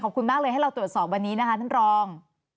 ขอบคุณมากเลยให้เราตรวจสอบวันนี้นะคะท่านรอง